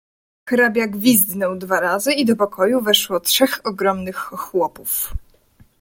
"Hrabia gwizdnął dwa razy i do pokoju weszło trzech ogromnych chłopów."